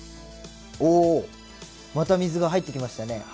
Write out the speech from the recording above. おおまた水が入ってきましたね。